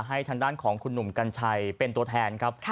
ทางด้านของคุณหนุ่มกัญชัยเป็นตัวแทนครับ